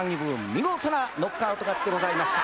見事なノックアウト勝ちでございました。